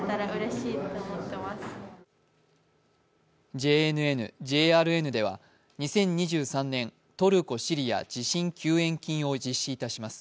ＪＮＮ・ＪＲＮでは２０２３年トルコ・シリア地震救援金を実施いたします。